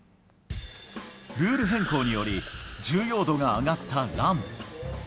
ルール変更により、重要度が上がったラン。